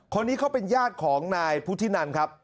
คนนี้เขาเป็นญาติของนายพุทธินันครับ